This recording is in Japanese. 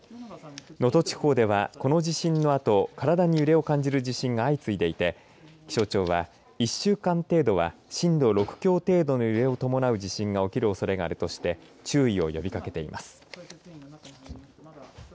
能登地方ではこの地震のあと体に揺れを感じる地震が相次いでいて気象庁は１週間程度は震度６強程度の揺れを伴う地震が起きるおそれがあるとして注意を呼びかけています。